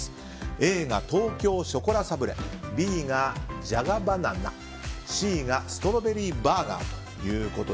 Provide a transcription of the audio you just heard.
Ａが東京ショコラサブレＢがじゃがばな奈Ｃがストロベリーバーガー。